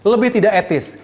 lebih tidak etis